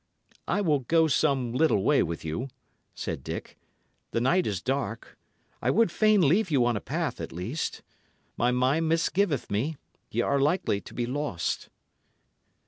"I will go some little way with you," said Dick. "The night is dark. I would fain leave you on a path, at least. My mind misgiveth me, y' are likely to be lost."